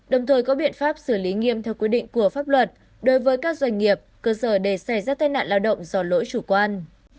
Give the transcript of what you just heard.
đồng thời có biện pháp xử lý nghiêm theo quy định của pháp luật đối với các doanh nghiệp cơ sở để xảy ra tai nạn lao động do lỗi chủ quan